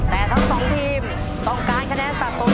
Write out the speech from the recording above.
แต่ทั้งสองทีมต้องการคะแนนสะสม